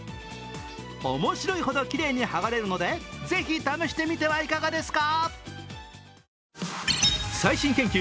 面白いほどきれいに剥がれるのでぜひ試してみてはいかがですか？